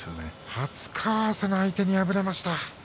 初顔合わせに敗れました。